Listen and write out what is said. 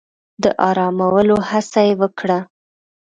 د آرامولو هڅه يې وکړه.